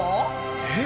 えっ？